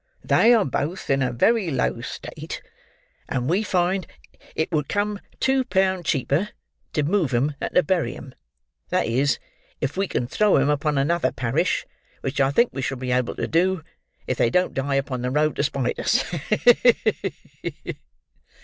"They are both in a very low state, and we find it would come two pound cheaper to move 'em than to bury 'em—that is, if we can throw 'em upon another parish, which I think we shall be able to do, if they don't die upon the road to spite us. Ha! ha!